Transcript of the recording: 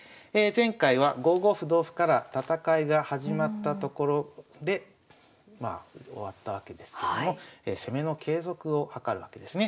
前回は５五歩同歩から戦いが始まったところでまあ終わったわけですけれども攻めの継続を図るわけですね。